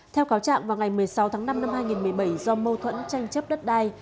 theo cáo trạng vào ngày một mươi sáu tháng năm năm hai nghìn một mươi bảy do mâu thuẫn tranh chấp đất đai